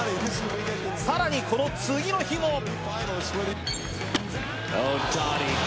さらにこの次の日も。